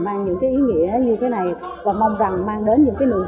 mang những cái ý nghĩa như thế này và mong rằng mang đến những cái nụ cười tỏa sáng